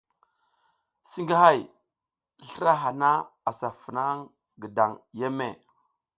Singihay, slra hana asa funa gidan yeme.